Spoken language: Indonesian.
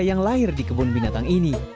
yang lahir di kebun binatang ini